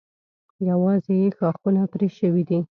یوازې یې ښاخونه پرې شوي دي.